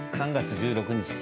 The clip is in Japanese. ３月１６日